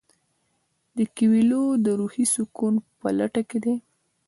کویلیو د روحي سکون په لټه کې دی.